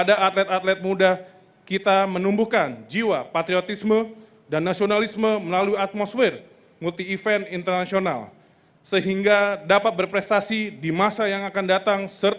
raya kebangsaan indonesia raya